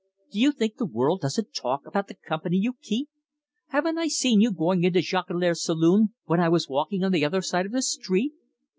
Do you think the world doesn't talk about the company you keep? Haven't I seen you going into Jolicoeur's saloon when I was walking on the other side of the street?